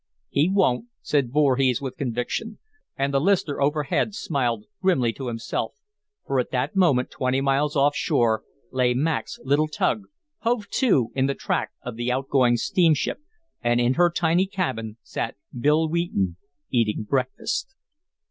"He won't," said Voorhees, with conviction, and the listener overhead smiled grimly to himself, for at that moment, twenty miles offshore, lay Mac's little tug, hove to in the track of the outgoing steamship, and in her tiny cabin sat Bill Wheaton eating breakfast.